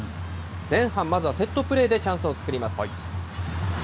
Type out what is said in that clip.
前半、まずはセットプレーでチャンスを作ります。